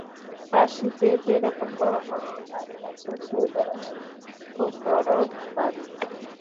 কাশীতে যে রকম বড় বড় বাড়ি আছে, সেই ধরনের খুব বড় বাড়ি।